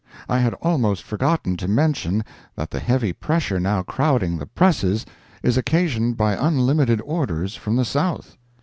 I had almost forgotten to mention that the heavy pressure now crowding the presses is occasioned by unlimited orders from the South.